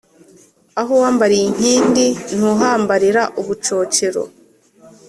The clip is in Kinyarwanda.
Aho wambariye inkindi ,ntuhambarira ubucocero